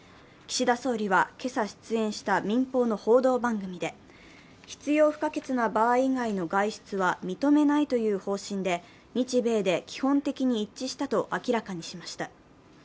岸田総理は今朝出演した民放の報道番組で必要不可欠な場合以外の外出は認めないという方針で日米で基本的に一致したと明らかにしました。